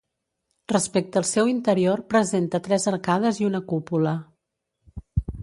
Respecte al seu interior presenta tres arcades i una cúpula.